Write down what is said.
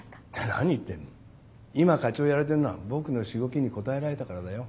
何言ってんの今課長やれてんのは僕のしごきにこたえられたからだよ。